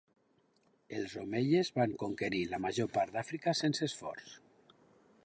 Els omeies van conquerir la major part d'Àfrica sense esforç.